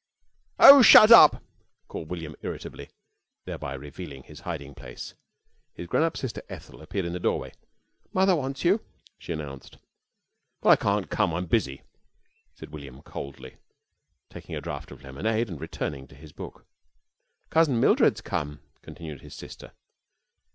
_" "Oh, shut up!" called William, irritably, thereby revealing his hiding place. His grown up sister, Ethel, appeared in the doorway. "Mother wants you," she announced. "Well, I can't come. I'm busy," said William, coldly, taking a draught of lemonade and returning to his book. "Cousin Mildred's come," continued his sister.